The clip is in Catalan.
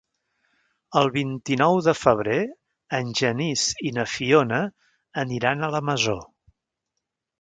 El vint-i-nou de febrer en Genís i na Fiona aniran a la Masó.